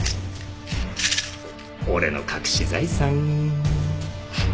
俺の隠し財産。